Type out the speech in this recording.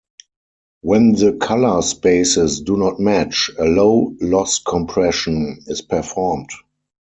When the color spaces do not match, a low loss compression is performed.